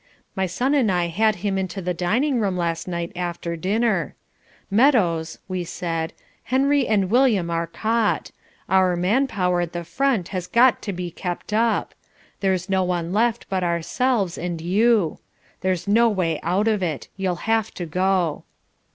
My son and I had him into the dining room last night after dinner. 'Meadows,' we said, 'Henry and William are caught. Our man power at the front has got to be kept up. There's no one left but ourselves and you. There's no way out of it. You'll have to go.'"